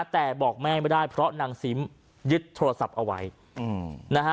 แต่บอกแม่ไม่ได้เพราะนางซิมยึดโทรศัพท์เอาไว้นะฮะ